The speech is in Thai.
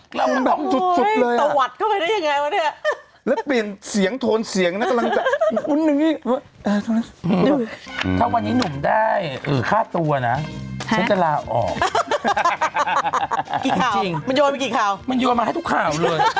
คุณตอบจุดเลยอ่ะโอ้โฮตะวัดก็ไปได้อย่างไรวะเนี่ย